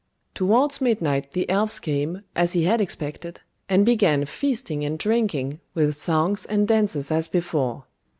Towards midnight the elves came, as he had expected, and began feasting and drinking, with songs and dances as before.